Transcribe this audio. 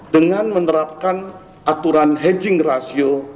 dengan menerapkan aturan hedging ratio